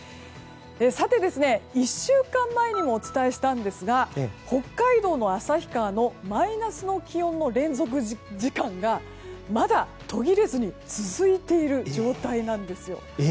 さて、１週間前にもお伝えしたんですが北海道の旭川のマイナスの気温の連続時間がまだ、途切れずに続いている状態なんです。